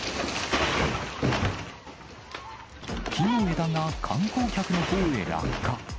木の枝が観光客のほうへ落下。